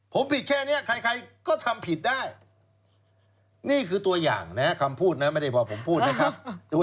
ผมผิดแค่นี้ใครก็ทำผิดได้นี่คือตัวอย่างนะคำพูดนะไม่ได้พอผมพูดนะครับ